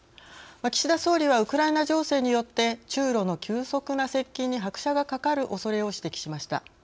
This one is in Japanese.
岸田総理はウクライナ情勢によって中ロの急速な接近に拍車がかかるおそれを指摘しました。